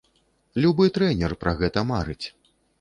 Любы трэнер пра гэта марыць.